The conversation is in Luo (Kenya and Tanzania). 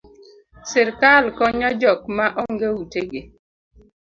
Sirkal konyo jok ma onge ute gi